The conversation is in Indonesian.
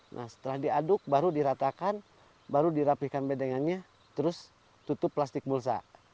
nah setelah diaduk baru diratakan baru dirapihkan bedengannya terus tutup plastik bulsa